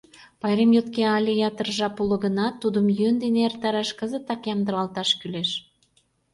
Пайрем йокте але ятыр жап уло гынат, тудым йӧн дене эртараш кызытак ямдылалташ кӱлеш.